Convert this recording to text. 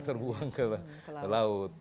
terbuang ke laut